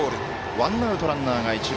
ワンアウト、ランナーが一塁。